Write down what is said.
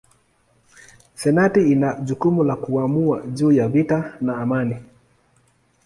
Senati ina jukumu la kuamua juu ya vita na amani.